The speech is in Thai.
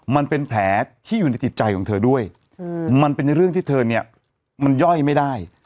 มันเป็นแผลที่อยู่ในจิตใจของเธอด้วยมันเป็นเรื่องที่เธอเนี่ยมันย่อยไม่ได้